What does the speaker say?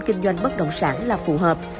kinh doanh bất động sản là phù hợp